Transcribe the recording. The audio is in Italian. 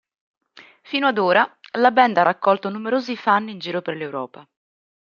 Fino ad ora la band ha raccolto numerosi fan in giro per l'Europa.